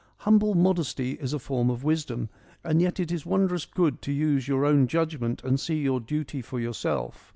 Humble modesty is a form of wisdom ; and yet it is wondrous good to use your own judgment and see your duty for yourself.